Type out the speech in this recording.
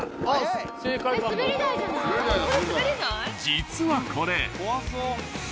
実はこれ。